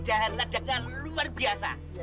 tiap tiap rejakan luar biasa